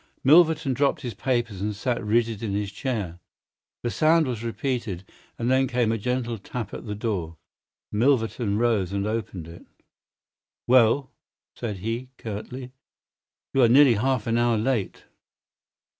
Milverton dropped his papers and sat rigid in his chair. The sound was repeated, and then there came a gentle tap at the door. Milverton rose and opened it. "Well," said he, curtly, "you are nearly half an hour late."